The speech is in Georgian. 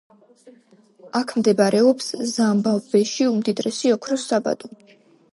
აქ მდებარეობს ზიმბაბვეში უმდიდრესი ოქროს საბადო.